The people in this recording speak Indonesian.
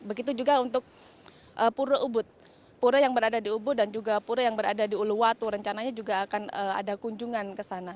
begitu juga untuk pura ubud pura yang berada di ubud dan juga pura yang berada di uluwatu rencananya juga akan ada kunjungan ke sana